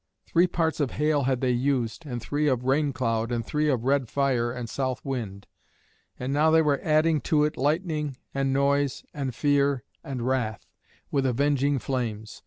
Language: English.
Three parts of hail had they used, and three of rain cloud, and three of red fire and the south wind; and now they were adding to it lightning, and noise, and fear, and wrath, with avenging flames.